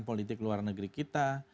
politik luar negeri kita